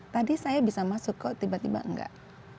tadi saya bisa masuk kok tiba tiba enggak